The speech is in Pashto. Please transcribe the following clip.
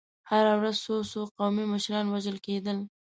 هره ورځ څو څو قومي مشران وژل کېدل.